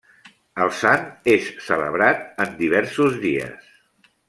El sant és celebrat en diversos dies.